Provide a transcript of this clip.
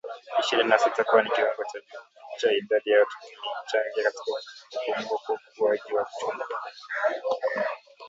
ishirini na sita kwani kiwango cha juu cha idadi ya watu kilichangia katika kupungua kwa ukuaji wa uchumi